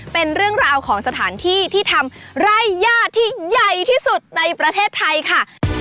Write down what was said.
เป็นเรื่องราวของสถานที่ที่ทำไร่ย่าที่ใหญ่ที่สุดในประเทศไทยค่ะ